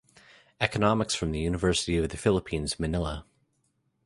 Economics from the University of the Philippines Manila.